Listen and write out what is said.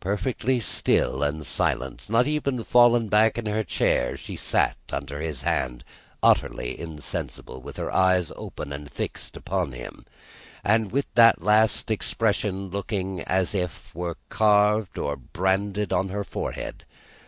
Perfectly still and silent, and not even fallen back in her chair, she sat under his hand, utterly insensible; with her eyes open and fixed upon him, and with that last expression looking as if it were carved or branded into her forehead.